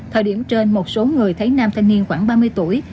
thời điểm trên một số người thấy nam thanh niên khoảng ba mươi tuổi